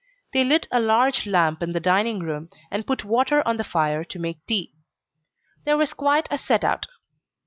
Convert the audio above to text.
They lit a large lamp in the dining room, and put water on the fire to make tea. There was quite a set out.